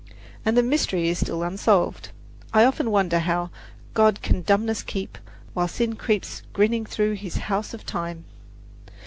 And the mystery is still unsolved. I often wonder how God can dumbness keep While Sin creeps grinning through His house of Time.